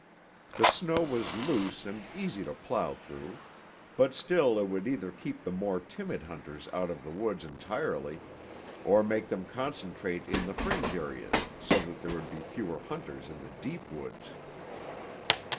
The snow was loose and easy to plow through. But still it would either keep the more timid hunters out of the woods entirely or make them concentrate in the fringe areas so that there would be fewer hunters in the deep woods.